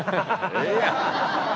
ええやん。